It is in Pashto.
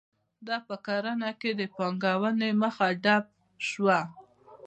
دا په کرنه کې د پانګونې مخه ډپ شوه.